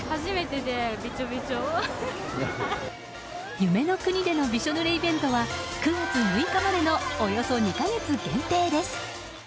夢の国でのびしょぬれイベントは９月６日までのおよそ２か月限定です。